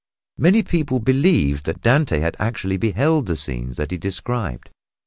Many people believed that Dante had actually beheld the scenes that he described.